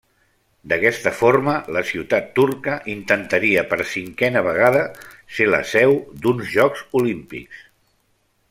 D'aquesta forma, la ciutat turca intentaria, per cinquena vegada, ser la seu d'uns Jocs Olímpics.